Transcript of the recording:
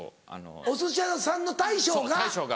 お寿司屋さんの大将が？